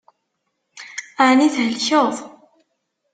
Ɛni thelkeḍ?